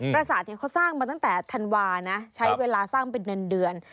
ประสาทเขาสร้างมาตั้งแต่ธันวานะใช้เวลาสร้างเป็นเดือน